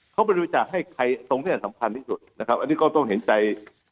เขาบริจาคให้ใครตรงเนี้ยสำคัญที่สุดนะครับอันนี้ก็ต้องเห็นใจ